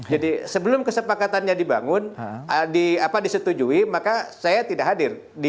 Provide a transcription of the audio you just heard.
jadi sebelum kesepakatannya dibangun disetujui maka saya tidak hadir